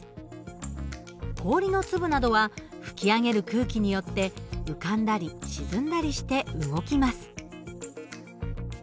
氷の粒などは吹き上げる空気によって浮かんだり沈んだりして動きます。